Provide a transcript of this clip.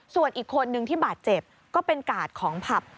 ส่วนอีกคนนึงที่บาดเจ็บก็เป็นกาดของผับ